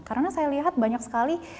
karena saya lihat banyak sekali